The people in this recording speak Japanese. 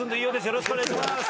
よろしくお願いします